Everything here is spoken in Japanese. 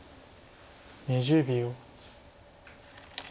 ２０秒。